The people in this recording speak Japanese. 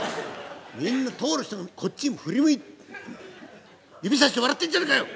みんな通る人がこっち振り向いて指さして笑ってるじゃねえかよ！